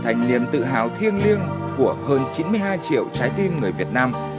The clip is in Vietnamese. thành niềm tự hào thiêng liêng của hơn chín mươi hai triệu trái tim người việt nam